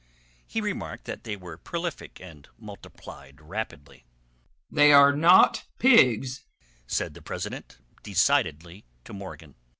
He remarked that they were prolific and multiplied rapidly. "They are not pigs," said the president, decidedly, to Morgan.